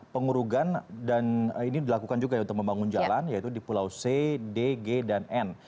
pengurugan dan ini dilakukan juga untuk membangun jalan yaitu di pulau c d g dan n